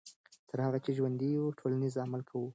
تر هغه چې ژوندي یو ټولنیز عمل کوو.